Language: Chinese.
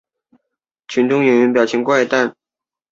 匈牙利实行多党议会制。